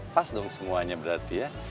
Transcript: pas dong semuanya berarti ya